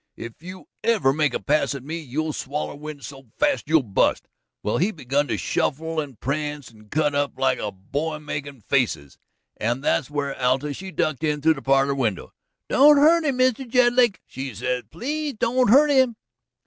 If you ever make a pass at me you'll swaller wind so fast you'll bust.' Well, he begun to shuffle and prance and cut up like a boy makin' faces, and there's where Alta she ducked in through the parlor winder. 'Don't hurt him, Mr. Jedlick,' she says; 'please don't hurt him!'